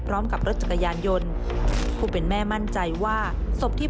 พร้อมกับรถจักรยานยนต์ผู้เป็นแม่มั่นใจว่าศพที่